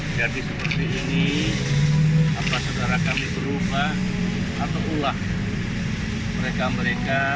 jadi seperti ini apa saudara kami berubah atau pula mereka mereka dengan niat yang